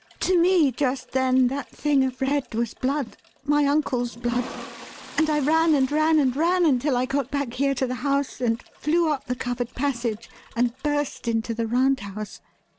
To me, just then, that thing of red was blood my uncle's blood and I ran and ran and ran until I got back here to the house and flew up the covered passage and burst into the Round House.